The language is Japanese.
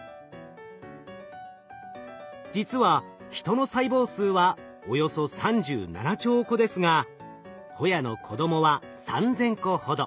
実はヒトの細胞数はおよそ３７兆個ですがホヤの子供は３，０００個ほど。